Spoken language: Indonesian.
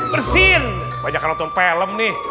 bersin banyak yang nonton film nih